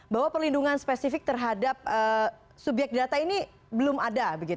bahwa perlindungan spesifik terhadap subyek data ini belum ada